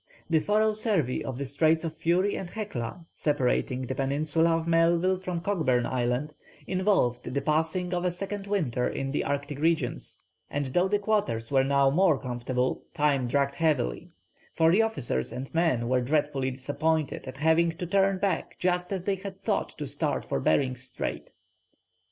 The thorough survey of the Straits of Fury and Hecla, separating the peninsula of Melville from Cockburn Island, involved the passing of a second winter in the Arctic regions, and though the quarters were now more comfortable, time dragged heavily, for the officers and men were dreadfully disappointed at having to turn back just as they had thought to start for Behring's Strait.